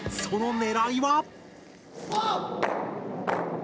その狙いは？